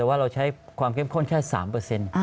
แต่ว่าเราใช้ความเข้มข้นแค่๓เปอร์เซ็นต์